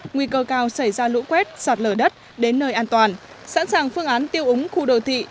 nguy cơ cao xảy ra lũ quét sạt lở đất đến nơi an toàn sẵn sàng phương án tiêu úng khu đồ thị